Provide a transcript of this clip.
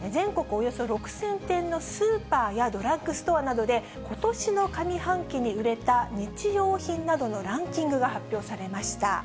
およそ６０００点のスーパーやドラッグストアなどで、ことしの上半期に売れた日用品などのランキングが発表されました。